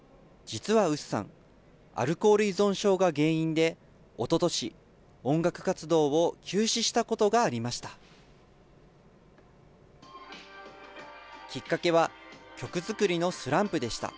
実はＵＳＵさん、アルコール依存症が原因で、おととし、音楽活動を休止したことがありました。